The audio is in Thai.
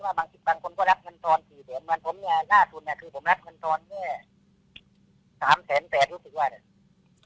เหมือนผมเนี่ยหน้าทุนเนี่ยคือผมรับเงินตอนเนี่ยสามแสนแปดรู้สึกว่าเนี่ย